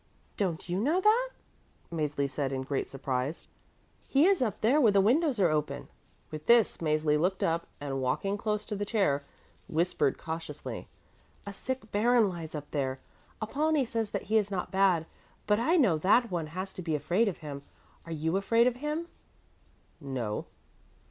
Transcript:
"Don't you know that?" Mäzli said in great surprise. "He is up there where the windows are open." With this Mäzli looked up, and walking close to the chair, whispered cautiously, "A sick baron lies up there. Apollonie says that he is not bad, but I know that one has to be afraid of him. Are you afraid of him?" "No."